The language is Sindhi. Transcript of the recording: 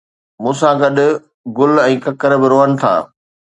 مون سان گڏ گل ۽ ڪڪر به روئن ٿا